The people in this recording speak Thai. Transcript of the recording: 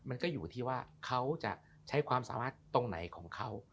มันก็อยู่ที่ว่าเขาจะใช้ความสามารถตรงไหนของเขา